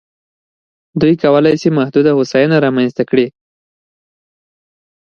دوی کولای شي محدوده هوساینه رامنځته کړي.